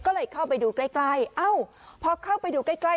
ก็เลยเข้าไปดูใกล้ใกล้เอ้าพอเข้าไปดูใกล้ใกล้